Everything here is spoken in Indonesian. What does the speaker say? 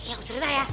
aku cerita ya